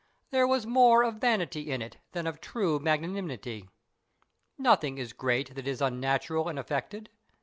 There was more of vanity in it than of true magnanimity. Nothing is great that is unnatural and affected.